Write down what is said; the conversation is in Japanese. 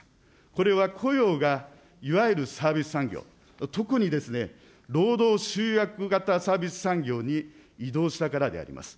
これは雇用がいわゆるサービス産業、特に労働集約型サービス産業に移動したからであります。